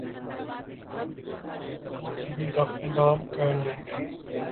وہ سیریز اپنے نام کر لیں گے۔